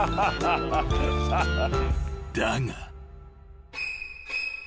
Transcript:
［だが］